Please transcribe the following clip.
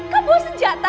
kamu mau senjata